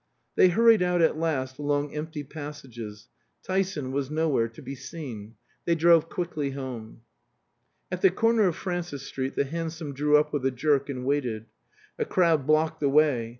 They hurried out at last along empty passages. Tyson was nowhere to be seen. They drove quickly home. At the corner of Francis Street the hansom drew up with a jerk and waited. A crowd blocked the way.